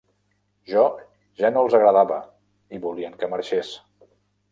Jo ja no els agradava i volien que marxés.